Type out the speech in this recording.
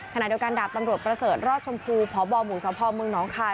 ขณะเดี๋ยวกันดับตำรวจประเสริฐรอดชมพูผอบ่าหมู่สาวพอบ์เมืองน้องคลาย